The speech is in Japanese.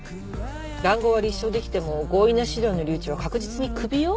談合は立証できても強引な資料の留置は確実にクビよ。